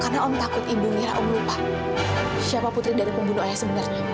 karena om takut ibu ngira om lupa siapa putri dari pembunuh ayah sebenarnya